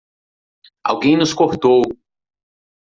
Alguém nos cortou!